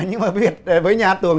nhưng mà việt với nhà tường